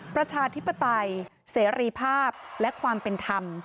ประชาธิปไตยเสรีภาพและความเป็นธรรม